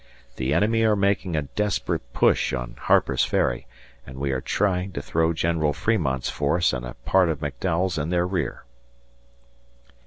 The enemy are making a desperate push on Harper's Ferry and we are trying to throw General Fremont's force and a part of McDowell's in their rear.